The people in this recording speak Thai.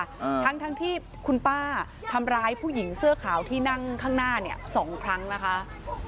ทั้งที่คุณป้าทำร้ายผู้หญิงเสื้อขาวที่นั่งข้างหน้า๒ครั้งนะคะ